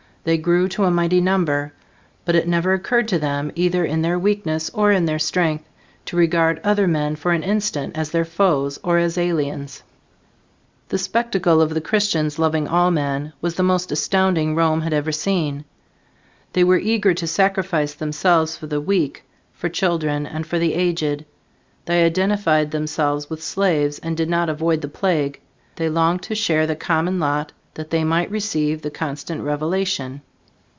They grew to a mighty number, but it never occurred to them, either in their weakness or in their strength, to regard other men for an instant as their foes or as aliens. The spectacle of the Christians loving all men was the most astounding Rome had ever seen. They were eager to sacrifice themselves for the weak, for children, and for the aged; they identified themselves with slaves and did not avoid the plague; they longed to share the common lot that they might receive the constant revelation.